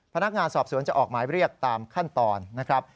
พนักงานสอบสวนจะออกหมายเรียกตามขั้นตอนนะครับ